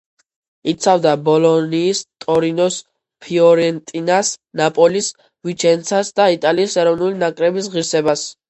იცავდა „ბოლონიის“, „ტორინოს“, „ფიორენტინას“, „ნაპოლის“, „ვიჩენცას“ და იტალიის ეროვნული ნაკრების ღირსებას.